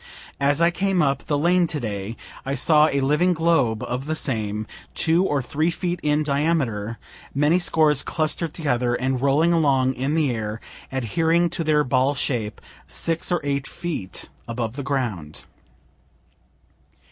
As I came up the lane to day I saw a living globe of the same, two or three feet in diameter, many scores cluster'd together and rolling along in the air, adhering to their ball shape, six or eight feet above the ground.